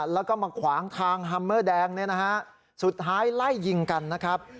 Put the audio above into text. แล้วก็มาขวางทางฮัมเมอร์แดงเนี่ยนะฮะสุดท้ายไล่ยิงกันนะครับ